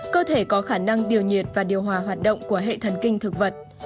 cơ thể có khả năng điều nhiệt và điều hòa hoạt động của hệ thần kinh thực vật